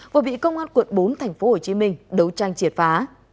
vừa bị công an quận bốn tp hcm đấu tranh triệt phá